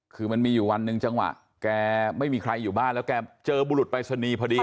คือมันมีอยู่วันหนึ่งจังหวะแกไม่มีใครอยู่บ้านแล้วแกเจอบุรุษปรายศนีย์พอดี